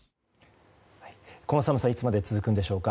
この寒さいつまで続くんでしょうか。